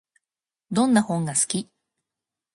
どんな本が好き？